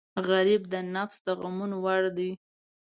غریب د نفس د غمونو وړ دی